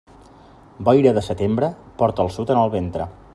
Boira de setembre, porta el sud en el ventre.